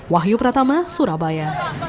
wahyu pratama surabaya